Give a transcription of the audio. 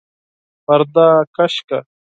پرده کش کړه!